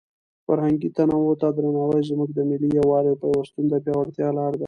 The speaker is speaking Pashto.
فرهنګي تنوع ته درناوی زموږ د ملي یووالي او پیوستون د پیاوړتیا لاره ده.